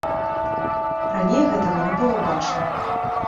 Раней гэтага не было бачна.